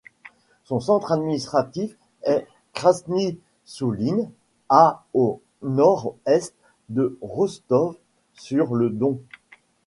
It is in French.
Son centre administratif est Krasny Souline, à au nord-est de Rostov-sur-le-Don.